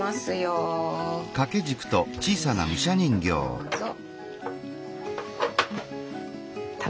どうぞ。